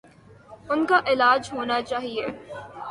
ان کا علاج ہونا چاہیے۔